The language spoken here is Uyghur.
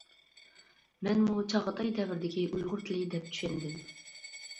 مەنمۇ چاغاتاي دەۋرىدىكى ئۇيغۇر تىلى دەپ چۈشەندىم.